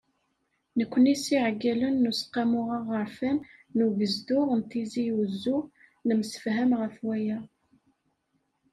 Nekkni s yiɛeggalen n Useqqamu Aɣerfan n Ugezdu n Tizi Uzzu, nemsefham ɣef waya.